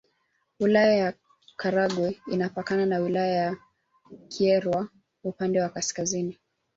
Wilaya ya Karagwe inapakana na Wilaya ya Kyerwa upande wa Kaskazini